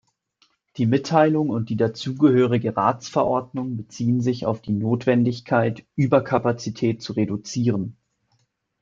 Die Mitteilung und die dazugehörige Ratsverordnung beziehen sich auf die Notwendigkeit, Überkapazität zu reduzieren.